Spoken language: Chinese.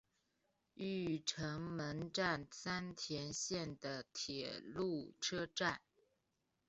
御成门站三田线的铁路车站。